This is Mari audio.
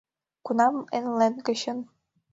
Кунам Элнет гычын